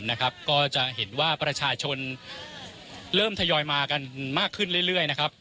เราจะเห็นว่าประชาชนเริ่มทยอยมากขึ้นเรื่อยนะครับ